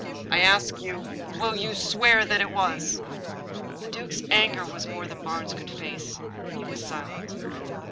I ask you, will you swear it was?" The duke's anger was more than Barnes could face. He was silent.